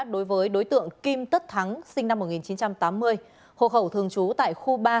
đối với đối tượng kim tất thắng sinh năm một nghìn chín trăm tám mươi hộ khẩu thường trú tại khu ba